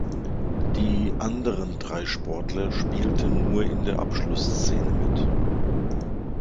Die anderen drei Sportler spielten nur in der Abschlussszene mit.